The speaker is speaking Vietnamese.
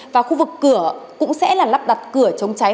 và khu vực cửa cũng sẽ là lắp đặt cửa chống cháy